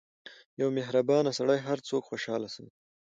• یو مهربان سړی هر څوک خوشحال ساتي.